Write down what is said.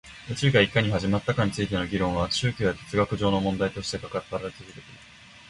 宇宙がいかに始まったかについての議論は宗教や哲学上の問題として語られて続けている